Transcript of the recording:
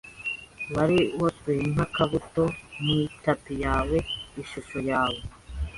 Wari wasweye nk'akabuto mu itapi yawe ishusho yawe